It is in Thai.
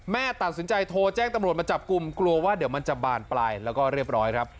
แม่ตัดสินใจโทรแจ้งตำรวจมาจับกลุ่มกลัวว่าเดี๋ยวมันจะบานปลายแล้วก็เรียบร้อยครับ